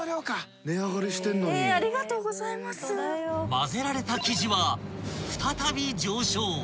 ［混ぜられた生地は再び上昇］